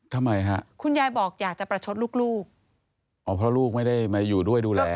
ทำไมฮะคุณยายบอกอยากจะประชดลูกลูกอ๋อเพราะลูกไม่ได้มาอยู่ด้วยดูแล